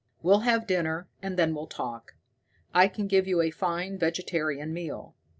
"We'll have dinner, and then we'll talk. I can give you a fine vegetarian meal.